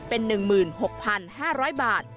เป็น๑๖๕๐๐บาท